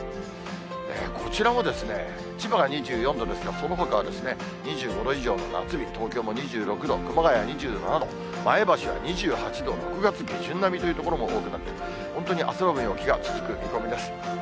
こちらも、千葉が２４度ですが、そのほかは、２５度以上の夏日、東京も２６度、熊谷２７度、前橋は２８度、６月下旬並みという所も多くなって、本当に汗ばむ陽気が続く見込みです。